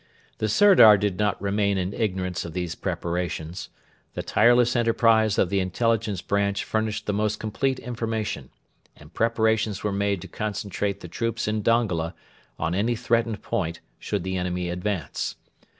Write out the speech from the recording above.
The Sirdar did not remain in ignorance of these preparations. The tireless enterprise of the Intelligence Branch furnished the most complete information; and preparations were made to concentrate the troops in Dongola on any threatened point, should the enemy advance.